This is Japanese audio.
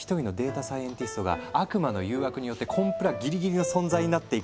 サイエンティストが悪魔の誘惑によってコンプラギリギリの存在になっていく